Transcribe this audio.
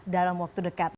dalam waktu dekat